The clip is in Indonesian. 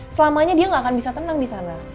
selamanya dia nggak akan bisa tenang di sana